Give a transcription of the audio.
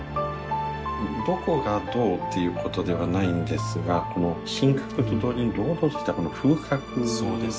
どこがどうっていうことではないんですがこの品格と同時に堂々としたこの風格ですよねはい。